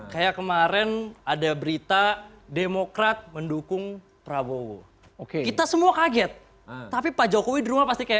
kayak kemarin ada berita demokrat mendukung prabowo oke kita semua kaget tapi pak jokowi di rumah pasti kayak